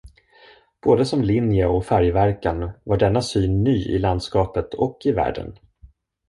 Både som linje och färgverkan var denna syn ny i landskapet och i världen.